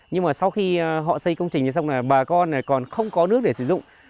nhưng mà sau khi họ xây công trình xong là bà con còn không có nước để sử dụng